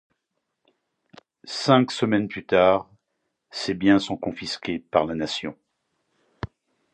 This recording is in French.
Cinq semaines plus tard, ses biens sont confisqués par la Nation.